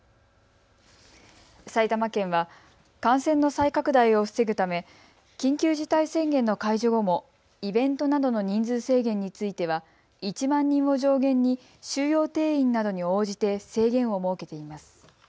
埼玉県は感染の再拡大を防ぐため緊急事態宣言の解除後もイベントなどの人数制限については１万人を上限に収容定員などに応じて制限を設けています。